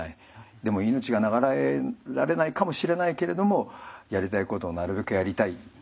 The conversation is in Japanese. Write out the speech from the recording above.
でも命が長らえられないかもしれないけれどもやりたいことをなるべくやりたい。